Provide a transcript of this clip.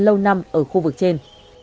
lâu năm ở khu vực trên